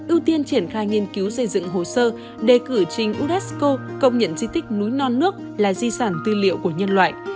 ưu tiên triển khai nghiên cứu xây dựng hồ sơ đề cử trình unesco công nhận di tích núi non nước là di sản tư liệu của nhân loại